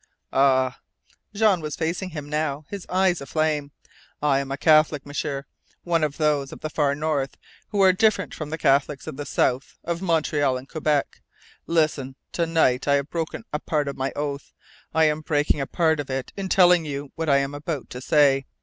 "Ah!" Jean was facing him now, his eyes aflame. "I am a Catholic, M'sieur one of those of the far North, who are different from the Catholics of the south, of Montreal and Quebec. Listen! To night I have broken a part of my oath; I am breaking a part of it in telling you what I am about to say.